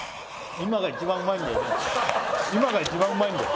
今が一番うまいんだよ